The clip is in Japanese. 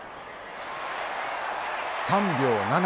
３秒７。